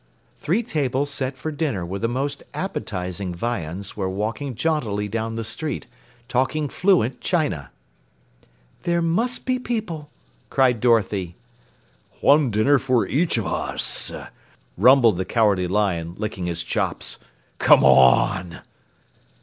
Three tables set for dinner with the most appetizing viands were walking jauntily down the street, talking fluent china. "There must be people!" cried Dorothy. "One dinner for each of us," rumbled the Cowardly Lion, licking his chops. "Come on!"